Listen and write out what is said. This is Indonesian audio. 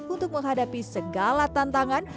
untuk menghadapi segala tantangan